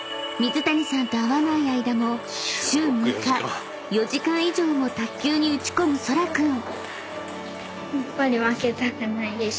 ［水谷さんと会わない間も週６日４時間以上も卓球に打ち込むそら君］